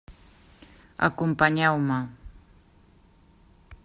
Acompanyeu-me.